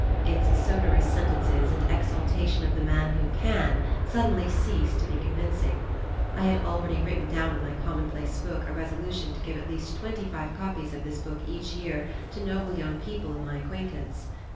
Its sonorous sentences and exaltation of the man who "can" suddenly ceased to be convincing. I had already written down in my commonplace book a resolution to give at least twenty five copies of this book each year to noble young people of my acquaintance.